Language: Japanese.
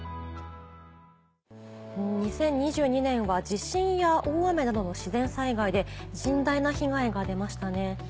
２０２２年は地震や大雨などの自然災害で甚大な被害が出ましたね。